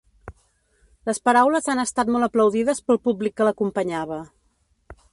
Les paraules han estat molt aplaudides pel públic que l’acompanyava.